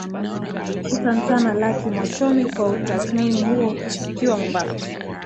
shukrani sana laki mwachomi kwa utathmini huo ukiwa mombasa